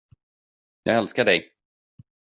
Jag älskar dig!